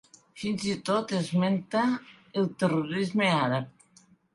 Fins i tot esmenta el terrorisme àrab.